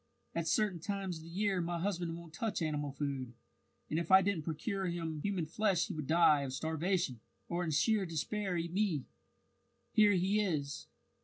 At certain times of the year my husband won't touch animal food, and if I didn't procure him human flesh he would die of starvation, or in sheer despair eat me. Here he is."